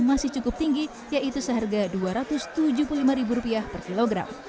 masih cukup tinggi yaitu seharga rp dua ratus tujuh puluh lima per kilogram